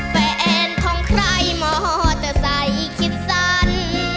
แฟนของใครมอเตอร์ไซค์คิดสั้น